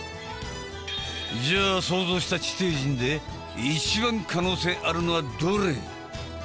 じゃあ想像した地底人で一番可能性あるのはどれ？